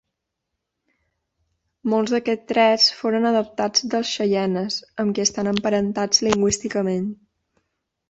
Molts d'aquests trets foren adoptats dels xeienes, amb qui estan emparentats lingüísticament.